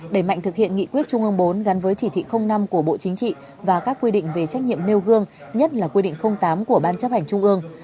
đẩy mạnh thực hiện nghị quyết trung ương bốn gắn với chỉ thị năm của bộ chính trị và các quy định về trách nhiệm nêu gương nhất là quy định tám của ban chấp hành trung ương